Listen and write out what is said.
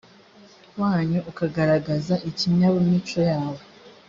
wanyu ukagaragaza ikinyabuimico yawe